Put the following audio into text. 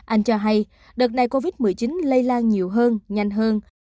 anh cho hay đợt này covid một mươi chín lây lan nhiều hơn nhanh hơn